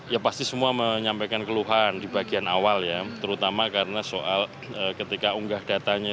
ya pasti semua menyampaikan keluhan di bagian awal ya terutama karena soal ketika unggah datanya